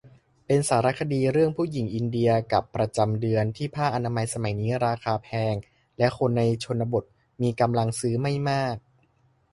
เป็นสารคดีเรื่องผู้หญิงอินเดียกับประจำเดือน ที่ผ้าอนามัยสมัยนี้ราคาแพงและคนในชนบทมีกำลังซื้อไม่มาก